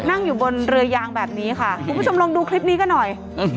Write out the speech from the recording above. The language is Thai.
นั่งอยู่บนเรือยางแบบนี้ค่ะคุณผู้ชมลองดูคลิปนี้กันหน่อย